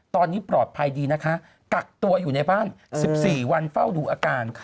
ตอนนี้ปลอดภัยดีนะคะกักตัวอยู่ในบ้าน๑๔วันเฝ้าดูอาการ